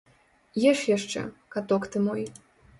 Еш яшчэ, каток ты мой!